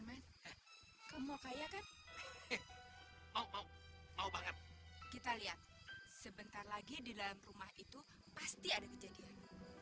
mau mau mau banget kita lihat sebentar lagi di dalam rumah itu pasti ada kejadian